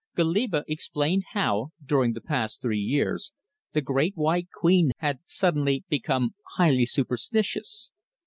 Goliba explained how, during the past three years, the Great White Queen had suddenly become highly superstitious.